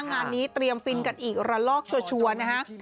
งานนี้เตรียมฟินกันอีกระลอกชัวร์นะฮะ